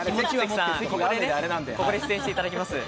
ここで出演していただきます。